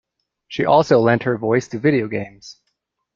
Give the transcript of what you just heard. She has also lent her voice to video games.